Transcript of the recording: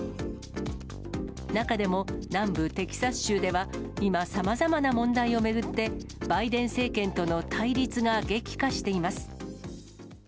中でも南部テキサス州では、今、さまざまな問題を巡って、バイデン政権との対立が激化しています。